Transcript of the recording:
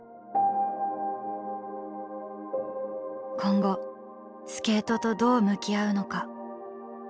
「今後スケートとどう向き合うのか？